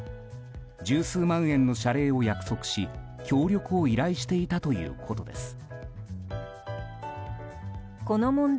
十数万円の謝礼を約束し協力を依頼していたということです。